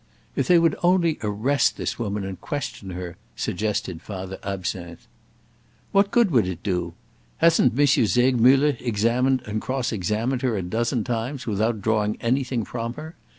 "If they would only arrest this woman and question her," suggested Father Absinthe. "What good would it do? Hasn't M. Segmuller examined and cross examined her a dozen times without drawing anything from her!